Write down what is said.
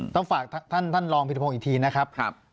ต้องฝากท่านรองพิทพงศ์อีกทีนะครับ